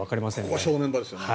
ここが正念場ですね。